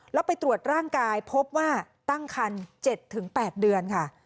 แล้วไปตรวจร่างกายพบว่าตั้งคัน๗๘เดือนค่ะ